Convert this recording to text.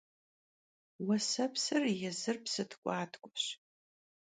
Vuesepsır yêzır psı tk'uatk'ueş.